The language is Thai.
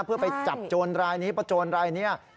เพื่อไปจับโจรรายนี้ประโจรรายนี้